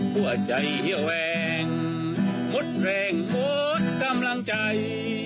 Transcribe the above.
หัวใจแหี้ยแหวงมุดแรงพดกำลังใจ